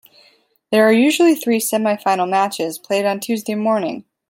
There are usually three semifinal matches played on Tuesday morning.